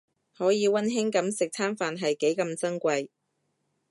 可以溫馨噉食餐飯係幾咁珍貴